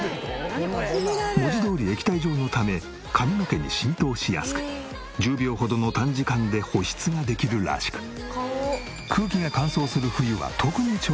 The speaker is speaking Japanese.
文字どおり液体状のため髪の毛に浸透しやすく１０秒ほどの短時間で保湿ができるらしく空気が乾燥する冬は特に重宝するという。